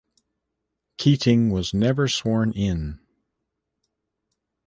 Keating was never sworn in.